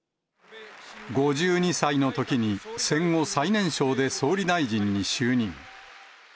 ５２歳のときに戦後最年少で総理大臣に就任。